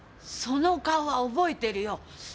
その顔は覚えてるよ。